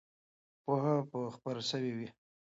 پوهه به خپره سوې وي.